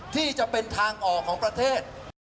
ที่จะเป็นทางออกของประเทศ